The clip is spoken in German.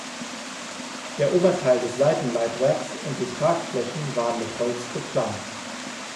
Der Oberteil des Seitenleitwerks und die Tragflächen waren mit Holz beplankt.